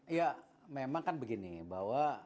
ya memang kan begini bahwa